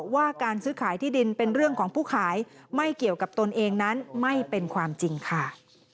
ว่าการซื้อขายที่ดินเป็นเรื่องของผู้ขายไม่เกี่ยวกับตนเองนั้นไม่เป็นความจริงค่ะ